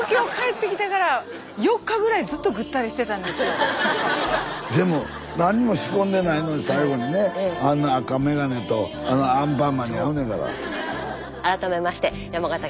私でも何にも仕込んでないのに最後にねあんな赤メガネとあのアンパンマンに会うねんから。